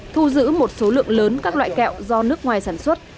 thu giữ một số lượng lớn các loại kẹo do nước ngoài sản xuất